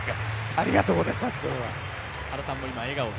ありがとうございます。